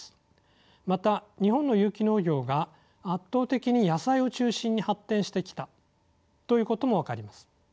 また日本の有機農業が圧倒的に野菜を中心に発展してきたということも分かります。